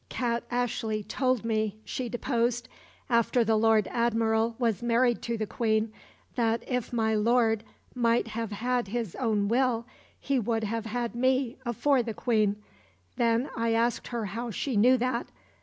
"Kat Ashley told me," she deposed, "after the Lord Admiral was married to the Queen, that if my lord might have had his own will, he would have had me, afore the Queen. Then I asked her how she knew that.